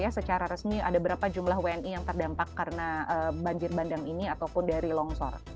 secara resmi ada berapa jumlah wni yang terdampak karena banjir bandang ini ataupun dari longsor